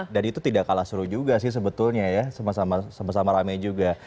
dan itu tidak kalah seru juga sih sebetulnya ya sama sama rame juga